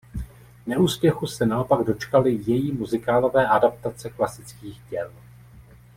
Neúspěchu se naopak dočkaly její muzikálové adaptace klasických děl.